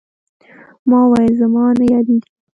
ما وويل زما نه يادېږي.